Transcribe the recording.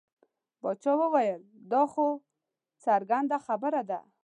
باچا وویل دا خو څرګنده خبره ده.